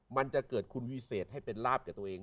มันจะเกิดคุณวิเศษให้เป็นลาบกับตัวเอง